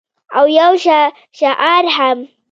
او یو شعار هم